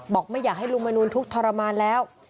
ไม่อยากให้ลุงมนูลทุกข์ทรมานแล้ว